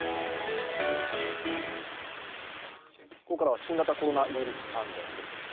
ここから新型コロナウイルス関連です。